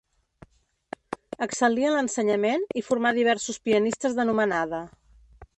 Excel·lí en l'ensenyament, i formà diversos pianistes d'anomenada.